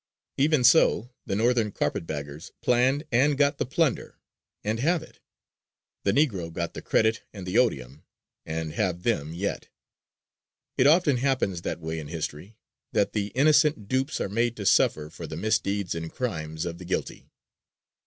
Even so. The Northern carpet baggers planned and got the plunder, and have it; the Negro got the credit and the odium, and have them yet. It often happens that way in history, that the innocent dupes are made to suffer for the misdeeds and crimes of the guilty.